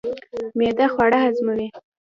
معده خواړه هضموي.